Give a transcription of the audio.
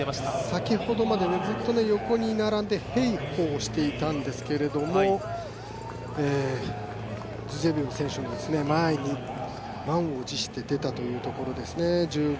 先ほどまで、ずっと横に並んで併歩をしていたんですけれども、ズジェブウォ選手の前に満を持して出たというところですね。